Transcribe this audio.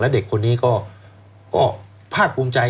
และเด็กคนนี้ก็ภาคปลุ้มใจ